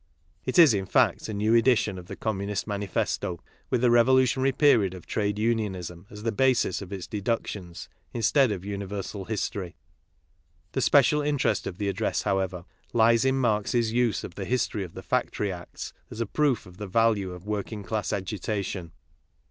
It is, in fact, a new edition of the Communist Manifesto, with the revolutionary period of trade unionism as the basis of Its deductions instead of universal history. The special interest of the address, however, lies in Marx's use of the history of the Factory Acts as a proof of the value of working class agitation.